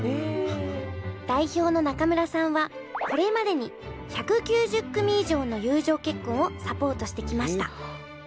代表の中村さんはこれまでに１９０組以上の友情結婚をサポートしてきました。